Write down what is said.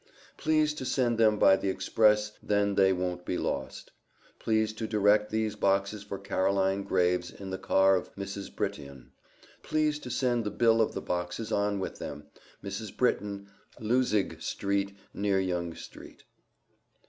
Please to send them by the express then thay wont be lost. Please to derect these boxes for Carline Graives in the car of mrs. Brittion. Please to send the bil of the boxes on with them. Mrs. Brittion, Lousig street near young street.